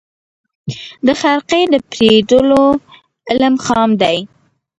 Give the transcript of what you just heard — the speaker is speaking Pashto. د خرقې د پېرودلو عقل خام دی